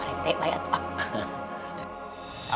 itu sama aja pak rite